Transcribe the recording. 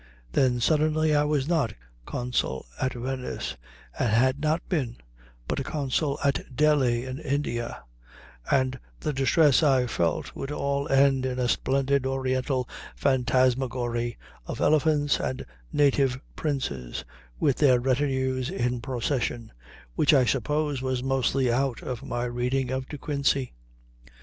Then, suddenly, I was not consul at Venice, and had not been, but consul at Delhi, in India; and the distress I felt would all end in a splendid Oriental phantasmagory of elephants and native princes, with their retinues in procession, which I suppose was mostly out of my reading of De Quincey.